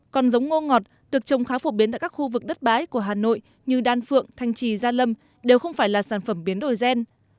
còn giống ngô ngọt được trồng khá phổ biến tại các khu vực đất bãi của hà nội như đan phượng thanh trì gia lâm đều không phải là sản phẩm biến đổi gen